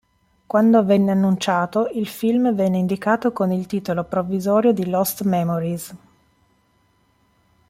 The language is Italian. Quando venne annunciato, il film venne indicato con il titolo provvisorio di "Lost Memories".